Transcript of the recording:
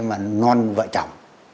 mà non vợ chồng